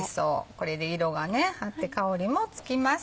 これで色があって香りもつきます。